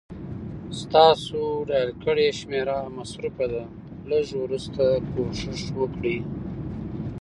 ستاسو ډائل کړې شمېره مصروفه ده، لږ وروسته کوشش وکړئ